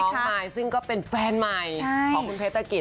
น้องมายซึ่งก็เป็นแฟนมายของคุณเพชรทะกิจ